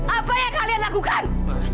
apa yang kalian lakukan